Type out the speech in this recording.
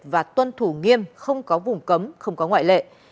và tuân thủ nghiêm không có vùng cấm không có ngoại lệ